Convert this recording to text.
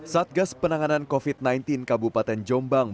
satgas penanganan covid sembilan belas kabupaten jombang